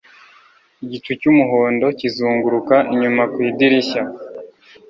Igicu cy'umuhondo kizunguruka inyuma ku idirishya,